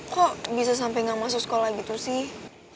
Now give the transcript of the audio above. kok bisa sampai gak masuk sekolah gitu sih